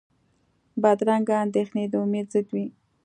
بدرنګه اندېښنې د امید ضد وي